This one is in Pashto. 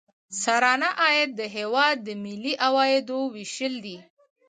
سرانه عاید د هیواد د ملي عوایدو ویشل دي.